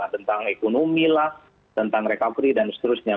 tentang ekonomi lah tentang recovery dan seterusnya